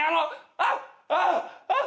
あっ。